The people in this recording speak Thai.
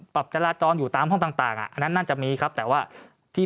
ปรับจราจรอยู่ตามห้องต่างอ่ะอันนั้นน่าจะมีครับแต่ว่าที่